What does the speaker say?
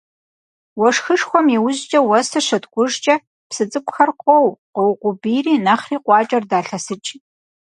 Уэшхышхуэм иужькӀэ, уэсыр щыткӀужкӀэ псы цӀыкӀухэр къоу, къоукъубийри нэхъри къуакӀэр далъэсыкӀ.